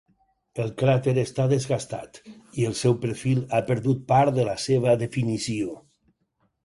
El cràter està desgastat, i el seu perfil ha perdut part de la seva definició.